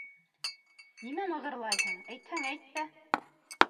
— Нимә мығырлайһың, әйтһәң әйт тә.